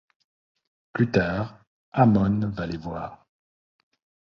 Plus tard, Hammond va les voir.